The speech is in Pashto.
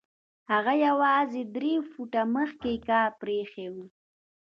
هغه يوازې درې فوټه مخکې کار پرېښی و.